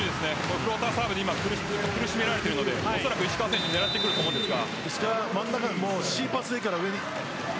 フローターサーブに苦しめられているので石川選手を狙ってくると思うんですが。